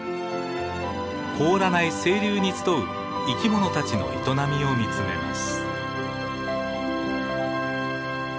凍らない清流に集う生き物たちの営みを見つめます。